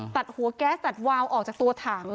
ตัดหัวแก๊สตัดวาวออกจากตัวถัง